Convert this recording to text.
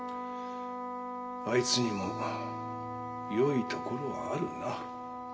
あいつにもよいところはあるな。